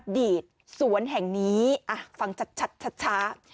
ดีตสวนแห่งนี้ฟังชัด